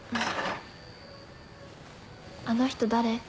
あの人誰？